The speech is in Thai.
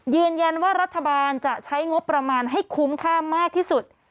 ยืนยันว่ารัฐบาลจะใช้งบประมาณให้คุ้มค่ามากที่สุด